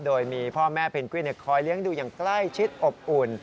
โดยมีพ่อแม่เพนกวินคอยเลี้ยงดูอย่างใกล้ชิดอบอุ่น